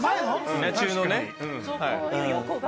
『稲中』のね。